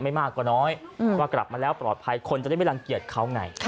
ไม่มากกว่าน้อยว่ากลับมาแล้วปลอดภัยคนจะได้ไม่รังเกียจเขาไง